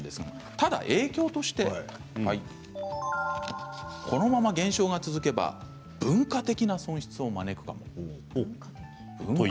ただ影響としてこのまま減少が続けば文化的な損失を招くかもしれない。